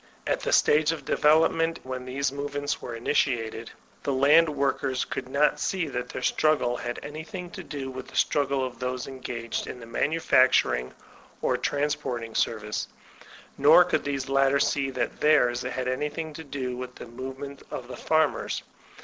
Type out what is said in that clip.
At the stage of development when these movements were initiated, the land workers could not see that their struggle had any thing to do with the struggle of those engaged in the manufacturing or transporting service; nor could these latter see that theirs had anything to do with the move ment of the farmers.